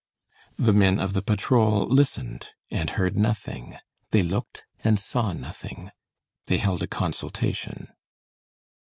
The men of the patrol listened, and heard nothing, they looked and saw nothing. They held a consultation.